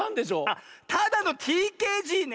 あっただのＴＫＧね。